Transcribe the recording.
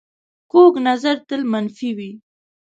کوږ نظر تل منفي وي